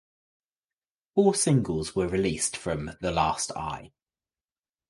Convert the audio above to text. Four singles were released from "The Last Ai".